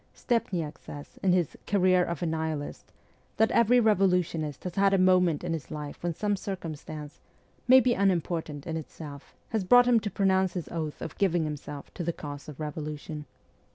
Stepniak says, in his ' Career of a Nihilist,' that every revolutionist has had a moment in his life when some circumstance, maybe unimportant in itself, has brought him to pronounce his oath of giving himself to the cause of revolution.